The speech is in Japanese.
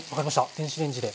電子レンジで。